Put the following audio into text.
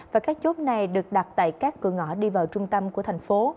và các chốt này được đặt tại các cửa ngõ đi vào trung tâm của thành phố